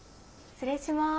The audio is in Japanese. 失礼します。